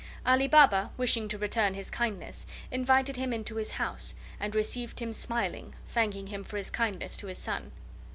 Ali Baba, wishing to return his kindness, invited him into his house and received him smiling, thanking him for his kindness to his son.